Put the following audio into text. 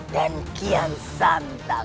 dan kian santang